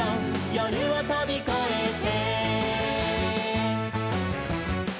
「夜をとびこえて」